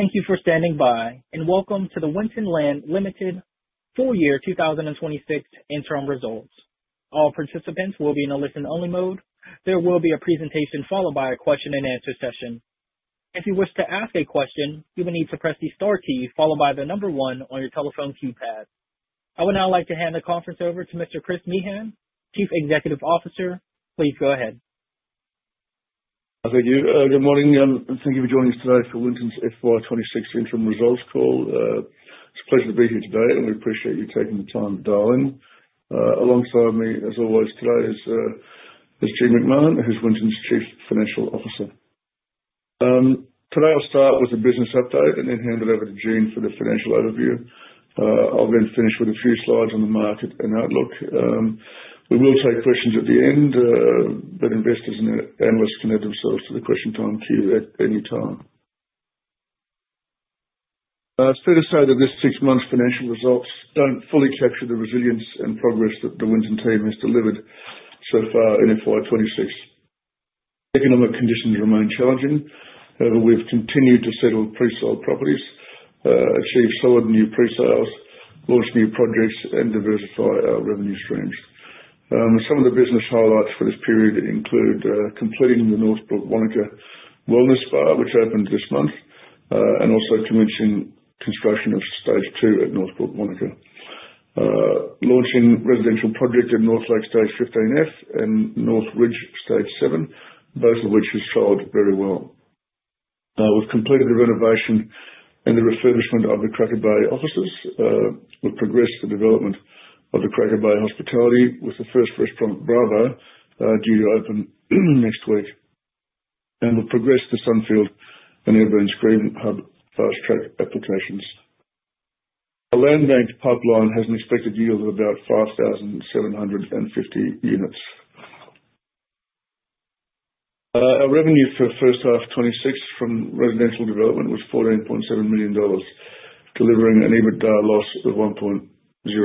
Thank you for standing by, and welcome to the Winton Land Limited full year 2026 interim results. All participants will be in a listen-only mode. There will be a presentation followed by a question-and-answer session. If you wish to ask a question, you will need to press the star key followed by the number one on your telephone keypad. I would now like to hand the conference over to Mr. Chris Meehan, Chief Executive Officer. Please go ahead. Thank you. Good morning, and thank you for joining us today for Winton's FY 2026 interim results call. It's a pleasure to be here today, and we appreciate you taking the time to dial in. Alongside me, as always today, is Jean McMahon, who's Winton's Chief Financial Officer. Today I'll start with a business update and then hand it over to Jean for the financial overview. I'll finish with a few slides on the market and outlook. We will take questions at the end. Investors and analysts can add themselves to the question time queue at any time. Fair to say that this six months' financial results don't fully capture the resilience and progress that the Winton team has delivered so far in FY 2026. Economic conditions remain challenging. However, we've continued to settle pre-sold properties, achieve solid new pre-sales, launch new projects, and diversify our revenue streams. Some of the business highlights for this period include completing the Northbrook Wanaka wellness spa, which opened this month, and also commencing construction of stage 2 at Northbrook Wanaka. Launching residential project at Northlake stage 15F and NorthRidge stage 7, both of which have sold very well. We've completed the renovation and the refurbishment of the Cracker Bay offices. We've progressed the development of the Cracker Bay hospitality with the first restaurant, Bravo, due to open next week. We've progressed the Sunfield and Ayrburn Screen Hub fast-track applications. Our land bank pipeline has an expected yield of about 5,750 units. Our revenue for H1 FY26 from residential development was 14.7 million dollars, delivering an EBITDA loss of 1.0 million. This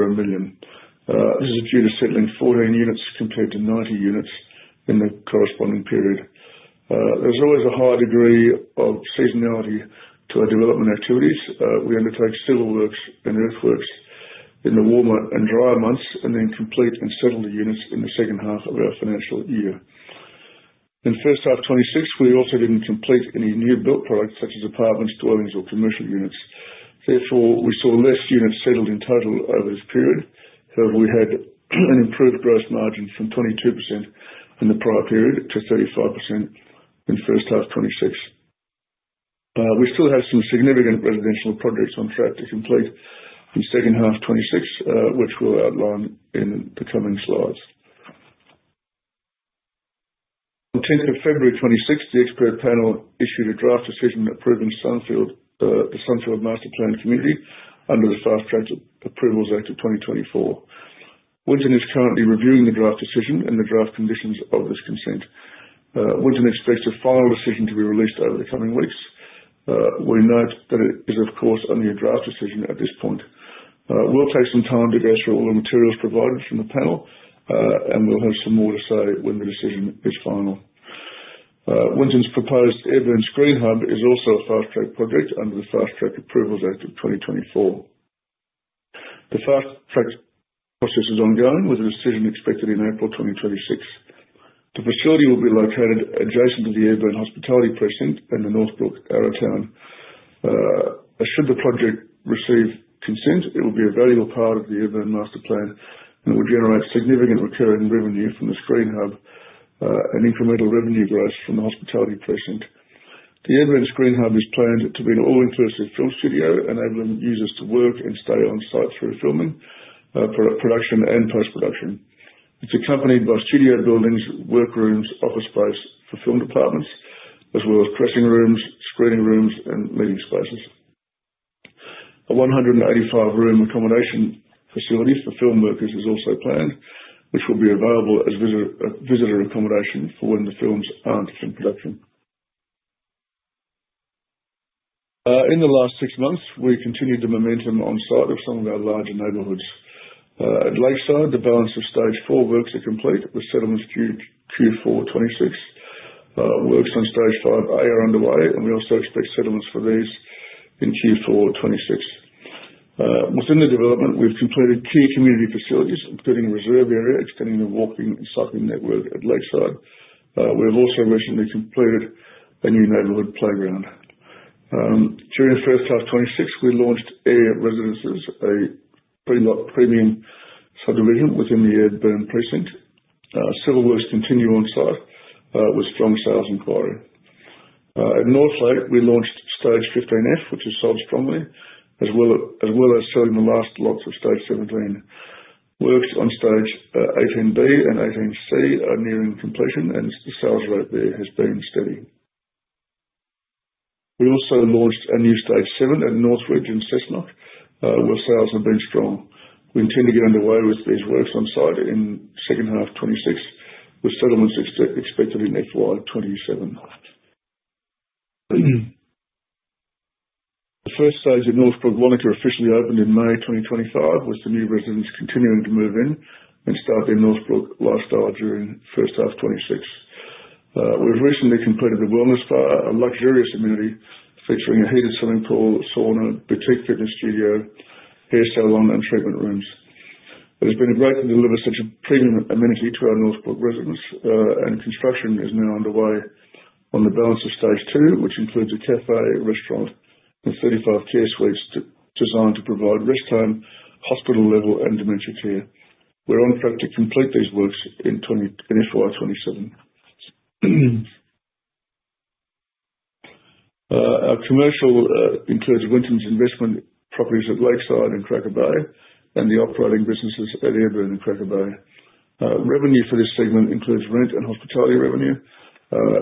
is due to settling 14 units compared to 90 units in the corresponding period. There's always a high degree of seasonality to our development activities. We undertake civil works and earthworks in the warmer and drier months and then complete and settle the units in the second half of our financial year. In the first half 2026, we also didn't complete any new build products such as apartments, dwellings, or commercial units. Therefore, we saw less units settled in total over this period. However, we had an improved gross margin from 22% in the prior period to 35% in the first half 2026. We still have some significant residential projects on track to complete in second half 2026, which we'll outline in the coming slides. On 10th of February 2026, the expert panel issued a draft decision approving the Sunfield master plan community under the Fast-track Approvals Act 2024. Winton is currently reviewing the draft decision and the draft conditions of this consent. Winton expects a final decision to be released over the coming weeks. We note that it is, of course, only a draft decision at this point. We'll take some time to go through all the materials provided from the panel, and we'll have some more to say when the decision is final. Winton's proposed Ayrburn Screen Hub is also a fast-track project under the Fast-track Approvals Act 2024. The fast-track process is ongoing, with a decision expected in April 2026. The facility will be located adjacent to the Ayrburn hospitality precinct in the Northbrook Arrowtown. Should the project receive consent, it will be a valuable part of the Ayrburn master plan and will generate significant recurring revenue from the Screen Hub, an incremental revenue growth from the hospitality precinct. The Ayrburn Screen Hub is planned to be an all-inclusive film studio, enabling users to work and stay on site through filming, production, and post-production. It's accompanied by studio buildings, work rooms, office space for film departments, as well as dressing rooms, screening rooms, and meeting spaces. A 185-room accommodation facilities for film workers is also planned, which will be available as visitor accommodation for when the films aren't in production. In the last six months, we continued the momentum on site of some of our larger neighborhoods. At Lakeside, the balance of stage 4 works are complete with settlements due Q4 2026. Works on stage 5A are underway, and we also expect settlements for these in Q4 2026. Within the development, we've completed key community facilities, including a reserve area extending the walking and cycling network at Lakeside. We have also recently completed a new neighborhood playground. During H1 FY26, we launched Ayr Residences, a three-lot premium subdivision within the Ayrburn precinct. Civil works continue on-site, with strong sales inquiry. At Northlake, we launched stage 15F, which has sold strongly, as well as selling the last lots of stage 17. Works on stage 18B and 18C are nearing completion, and the sales rate there has been steady. We also launched a new stage 7 at North Ridge in Cessnock, where sales have been strong. We intend to get underway with these works on site in H2 FY26, with settlements expected in FY 2027. The first stage at Northbrook Arrowtown officially opened in May 2025, with the new residents continuing to move in and start their Northbrook lifestyle during H1 FY26. We've recently completed the wellness spa, a luxurious amenity featuring a heated swimming pool, sauna, boutique fitness studio, hair salon, and treatment rooms. It has been great to deliver such a premium amenity to our Northbrook residents. Construction is now underway on the balance of stage 2, which includes a cafe, restaurant, and 35 care suites designed to provide rest home, hospital level, and dementia care. We're on track to complete these works in FY 2027. Our commercial includes Winton's investment properties at Lakeside and Cracker Bay and the operating businesses at Ayrburn and Cracker Bay. Revenue for this segment includes rent and hospitality revenue.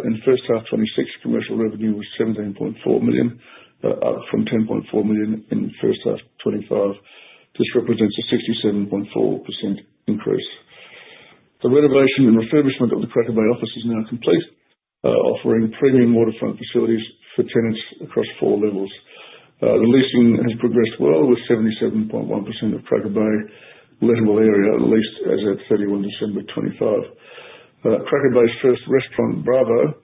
In the first half of 2026, commercial revenue was 17.4 million, up from 10.4 million in the first half of 2025. This represents a 67.4% increase. The renovation and refurbishment of the Cracker Bay office is now complete, offering premium waterfront facilities for tenants across 4 levels. The leasing has progressed well, with 77.1% of Cracker Bay lettable area leased as at 31 December 2025. Cracker Bay's first restaurant, Bravo,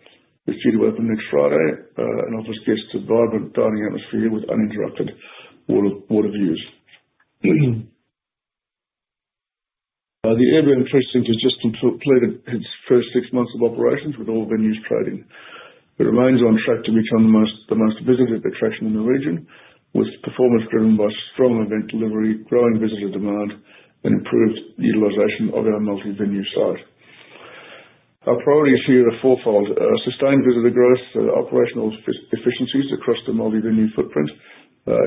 is due to open next Friday and offers guests a vibrant dining atmosphere with uninterrupted water views. The Ayrburn Tourism has just completed its first six months of operations with all venues trading. It remains on track to become the most visited attraction in the region, with performance driven by strong event delivery, growing visitor demand, and improved utilization of our multi-venue site. Our priorities here are fourfold. Sustained visitor growth, operational efficiencies across the multi-venue footprint,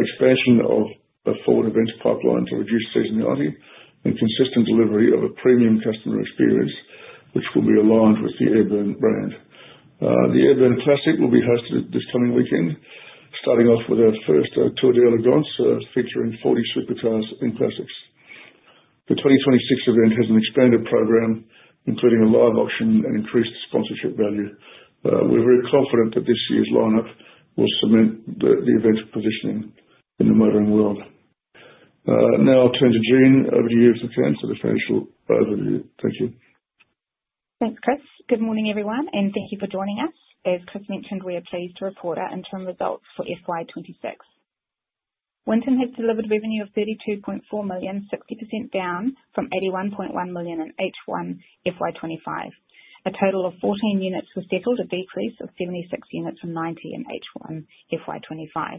expansion of the forward events pipeline to reduce seasonality, and consistent delivery of a premium customer experience, which will be aligned with the Ayrburn brand. The Ayrburn Classic will be hosted this coming weekend, starting off with our first Tour d'Elegance featuring 40 supercars and classics. The 2026 event has an expanded program, including a live auction and increased sponsorship value. We're very confident that this year's lineup will cement the event's positioning in the motoring world. I'll turn to Jean over to you for the financial overview. Thank you. Thanks, Chris. Good morning, everyone. Thank you for joining us. As Chris mentioned, we are pleased to report our interim results for FY 2026. Winton has delivered revenue of 32.4 million, 60% down from 81.1 million in H1 FY 2025. A total of 14 units was settled, a decrease of 76 units from 90 in H1 FY 2025.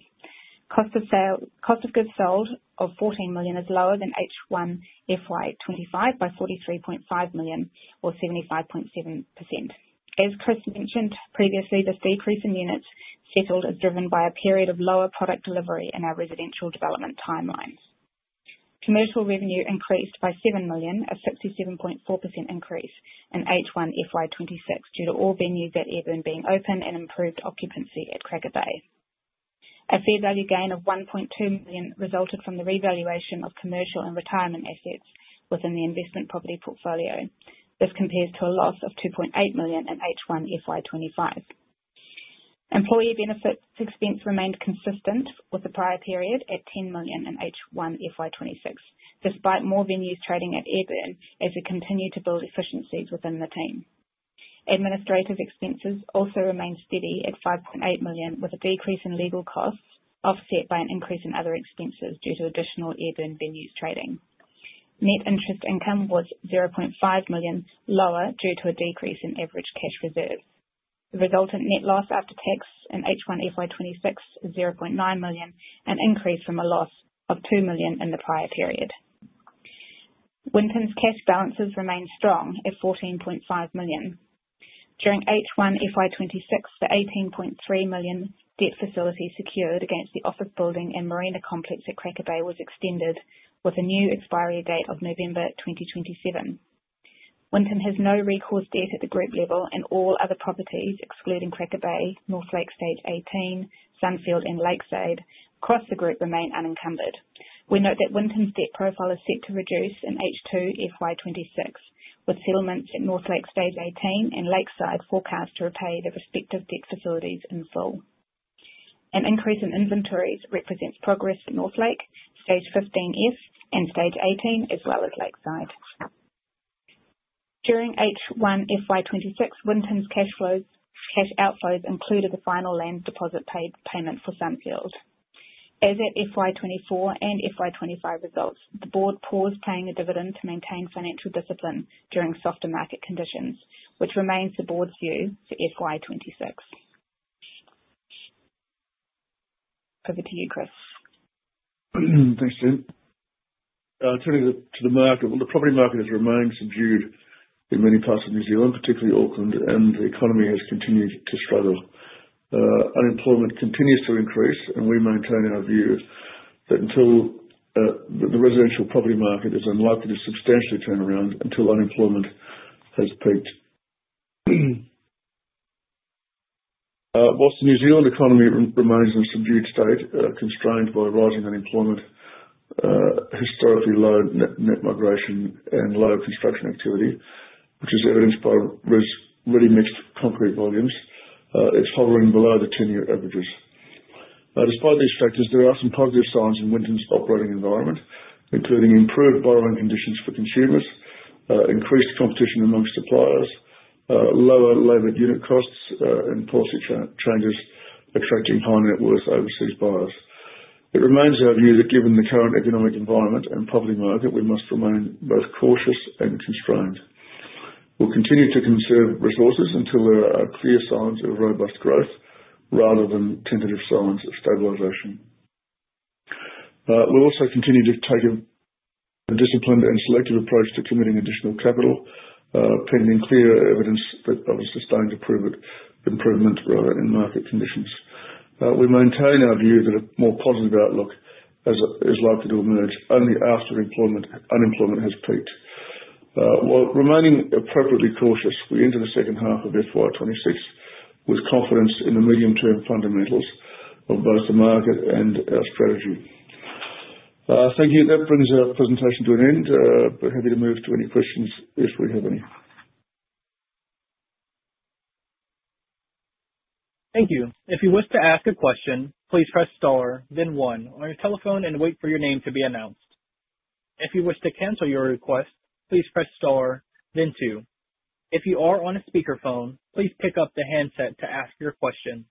Cost of goods sold of 14 million is lower than H1 FY 2025 by 43.5 million or 75.7%. As Chris mentioned previously, this decrease in units settled is driven by a period of lower product delivery in our residential development timelines. Commercial revenue increased by 7 million, a 67.4% increase in H1 FY 2026, due to all venues at Ayrburn being open and improved occupancy at Cracker Bay. A fair value gain of 1.2 million resulted from the revaluation of commercial and retirement assets within the investment property portfolio. This compares to a loss of 2.8 million in H1 FY 2025. Employee benefits expense remained consistent with the prior period at 10 million in H1 FY 2026, despite more venues trading at Ayrburn as we continue to build efficiencies within the team. Administrative expenses also remained steady at 5.8 million, with a decrease in legal costs offset by an increase in other expenses due to additional Ayrburn venues trading. Net interest income was 0.5 million lower due to a decrease in average cash reserves. The resultant net loss after tax in H1 FY 2026 is 0.9 million, an increase from a loss of 2 million in the prior period. Winton's cash balances remain strong at 14.5 million. During H1 FY 2026, the 18.3 million debt facility secured against the office building and marina complex at Cracker Bay was extended with a new expiry date of November 2027. Winton has no recourse debt at the group level and all other properties excluding Cracker Bay, Northlake Stage 18, Sunfield, and Lakeside across the group remain unencumbered. We note that Winton's debt profile is set to reduce in H2 FY2026, with settlements at Northlake Stage 18 and Lakeside forecast to repay their respective debt facilities in full. An increase in inventories represents progress at Northlake Stage 15F and Stage 18, as well as Lakeside. During H1 FY2026, Winton's cash outflows included the final land deposit payment for Sunfield. As at FY2024 and FY2025 results, the board paused paying a dividend to maintain financial discipline during softer market conditions, which remains the board's view for FY2026. Over to you, Chris. Thanks, Jean. Turning to the market. Well, the property market has remained subdued in many parts of New Zealand, particularly Auckland, and the economy has continued to struggle. Unemployment continues to increase, and we maintain our view that the residential property market is unlikely to substantially turn around until unemployment has peaked. Whilst the New Zealand economy remains in a subdued state, constrained by rising unemployment, historically low net migration and low construction activity, which is evidenced by ready-mixed concrete volumes. It's hovering below the 10-year averages. Despite these factors, there are some positive signs in Winton's operating environment, including improved borrowing conditions for consumers, increased competition among suppliers, lower labor unit costs, and policy changes attracting high-net-worth overseas buyers. It remains our view that given the current economic environment and property market, we must remain both cautious and constrained. We'll continue to conserve resources until there are clear signs of robust growth rather than tentative signs of stabilization. We'll also continue to take a disciplined and selective approach to committing additional capital, pending clear evidence of a sustained improvement further in market conditions. We maintain our view that a more positive outlook is likely to emerge only after unemployment has peaked. While remaining appropriately cautious, we enter the second half of FY 2026 with confidence in the medium-term fundamentals of both the market and our strategy. Thank you. That brings our presentation to an end. Happy to move to any questions if we have any. Thank you. If you wish to ask a question, please press star then one on your telephone and wait for your name to be announced. If you wish to cancel your request, please press star then two. If you are on a speakerphone, please pick up the handset to ask your question.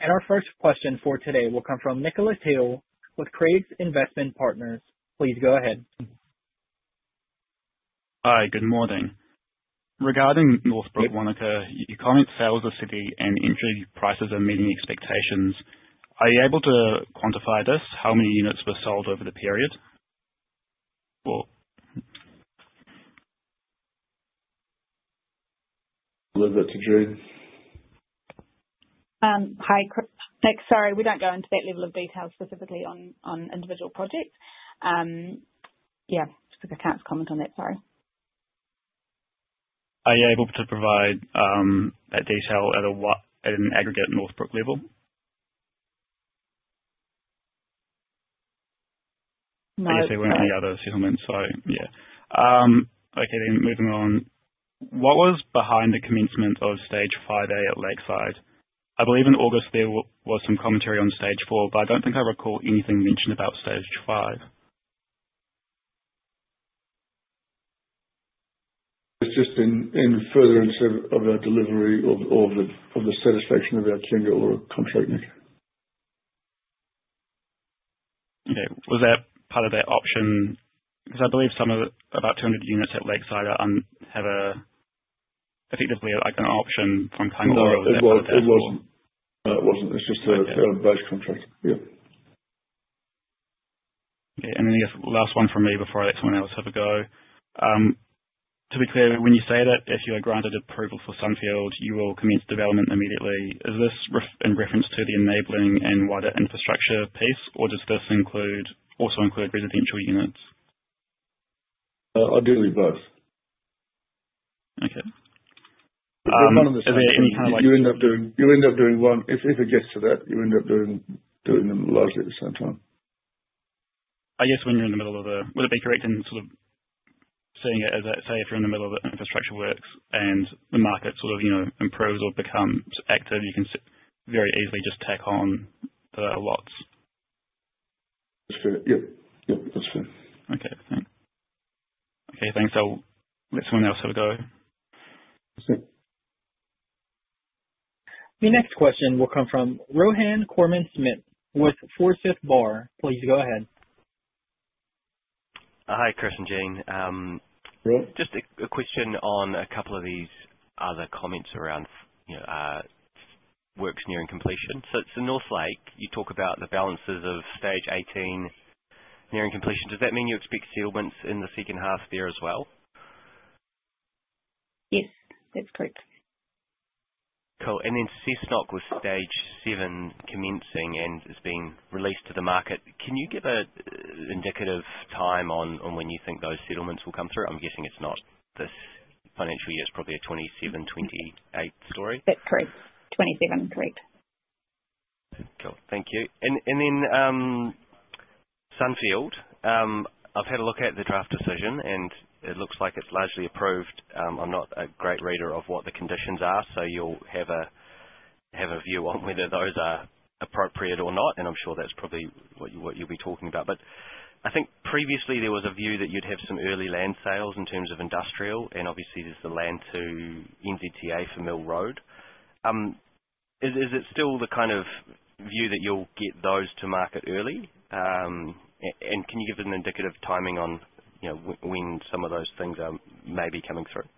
Our first question for today will come from Nicholas Hill with Craigs Investment Partners. Please go ahead. Hi. Good morning. Regarding Northbrook, Wanaka, you comment sales are steady and entry prices are meeting expectations. Are you able to quantify this? How many units were sold over the period? Leave that to Jean. Hi, Nick. Sorry, we don't go into that level of detail specifically on individual projects. Yeah, I can't comment on that, sorry. Are you able to provide that detail at an aggregate Northbrook level? No. Obviously, we don't have any other settlements, so yeah. Okay, moving on. What was behind the commencement of stage 5A at Lakeside? I believe in August, there was some commentary on stage 4, but I don't think I recall anything mentioned about stage 5. It's just in furtherance of our delivery or the satisfaction of our tender or contract, Nick. Okay. Was that part of that option? Because I believe about 200 units at Lakeside effectively are like an option from time- No, it wasn't. It's just a base contract. Yeah. Yeah. I guess last one from me before I let someone else have a go. To be clear, when you say that if you are granted approval for Sunfield, you will commence development immediately, is this in reference to the enabling and wider infrastructure piece, or does this also include residential units? Ideally, both. Okay. They run at the same time. You end up doing one. If it gets to that, you end up doing them largely at the same time. I guess would it be correct in sort of seeing it as, say, if you're in the middle of infrastructure works and the market sort of improves or becomes active, you can very easily just tack on the lots? That's fair. Yep. That's fair. Okay. Thanks. I'll let someone else have a go. That's it. The next question will come from Rohan Corman-Smith with Forsyth Barr. Please go ahead. Hi, Chris and Jane. Yeah. Just a question on a couple of these other comments around works nearing completion. It's in Northlake, you talk about the balances of stage 18 nearing completion. Does that mean you expect settlements in the second half there as well? Yes, that's correct. Cool. Cessnock with stage 7 commencing and is being released to the market. Can you give an indicative time on when you think those settlements will come through? I'm guessing it's not this financial year. It's probably a 2027, 2028 story. That's correct. 27. Correct. Cool. Thank you. Sunfield, I've had a look at the draft decision, and it looks like it's largely approved. I'm not a great reader of what the conditions are, so you'll have a view on whether those are appropriate or not, and I'm sure that's probably what you'll be talking about. I think previously there was a view that you'd have some early land sales in terms of industrial, and obviously, there's the land to NZTA for Mill Road. Is it still the kind of view that you'll get those to market early? Can you give an indicative timing on when some of those things may be coming through?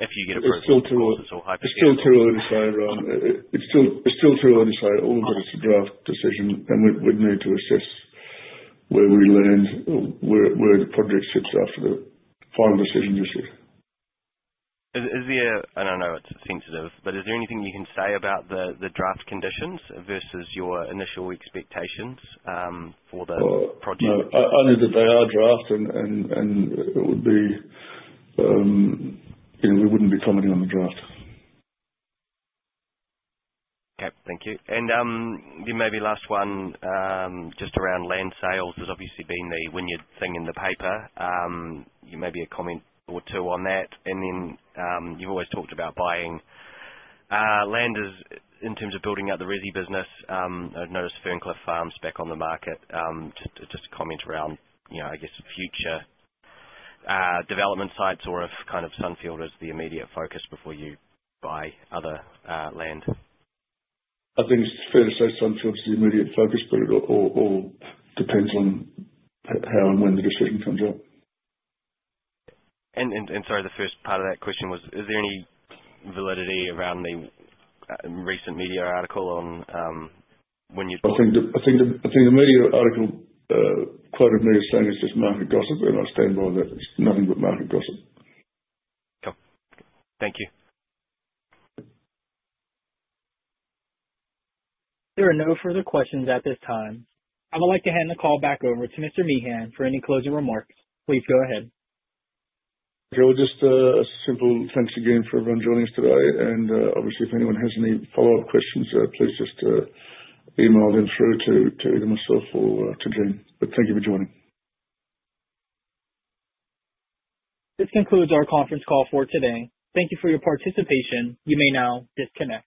If you get approval, that is. It's still too early to say, Rohan. It's still too early to say. All we've got is a draft decision, and we'd need to assess where we land, where the project sits after the final decision is made. I know it's sensitive, but is there anything you can say about the draft conditions versus your initial expectations for the project? Only that they are draft, and we wouldn't be commenting on the draft. Okay. Thank you. Maybe last one, just around land sales. There's obviously been the Wynyard thing in the paper. Maybe a comment or two on that. Then, you've always talked about buying land in terms of building out the resi business. I've noticed Ferncliff Farm is back on the market. Just a comment around, I guess, future development sites or if Sunfield is the immediate focus before you buy other land. I think it's fair to say Sunfield is the immediate focus, but it all depends on how and when the decision comes out. Sorry, the first part of that question was, is there any validity around the recent media article on Wynyard? I think the media article quoted me as saying it's just market gossip, and I stand by that. It's nothing but market gossip. Cool. Thank you. There are no further questions at this time. I would like to hand the call back over to Mr. Meehan for any closing remarks. Please go ahead. Sure. Just a simple thanks again for everyone joining us today. Obviously, if anyone has any follow-up questions, please just email them through to myself or to Jane. Thank you for joining. This concludes our conference call for today. Thank you for your participation. You may now disconnect.